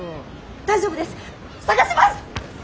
大丈夫です探します！